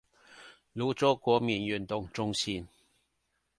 蘆洲國民運動中心